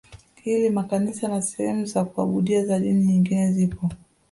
Ila makanisa na sehemu za kuabudia za dini nyingine zipo